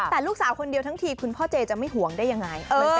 แต่ลูกสาวคนเดียวทั้งทีคุณพ่อเจจะไม่ห่วงได้ยังไง